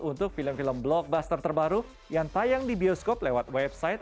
untuk film film blockbuster terbaru yang tayang di bioskop lewat website